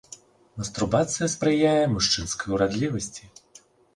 Мастурбацыя спрыяе мужчынскай урадлівасці.